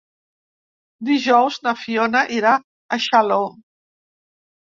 Dijous na Fiona irà a Xaló.